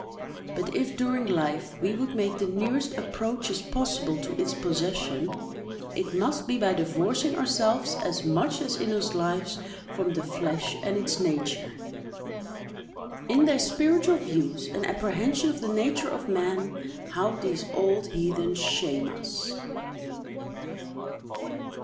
But if, during life, we would make the nearest approaches possible to its possession, it must be by divorcing ourselves as much as in us lies from the flesh and its nature." In their spiritual views and apprehension of the nature of man, how these old heathens shame us!